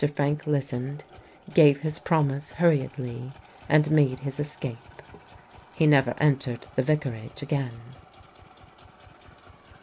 Frank listened, gave his promise hurriedly and made his escape. He never entered the Vicarage again.